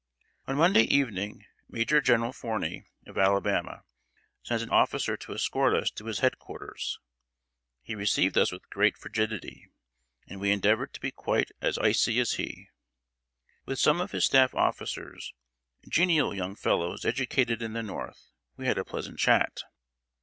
] On Monday evening, Major General Forney, of Alabama, sent an officer to escort us to his head quarters. He received us with great frigidity, and we endeavored to be quite as icy as he. With some of his staff officers, genial young fellows educated in the North, we had a pleasant chat.